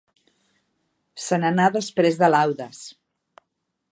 Se n'anà després de laudes.